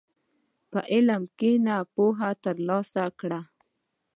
په علم کښېنه، پوهه ترلاسه کړه.